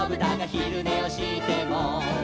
「ひるねをしても」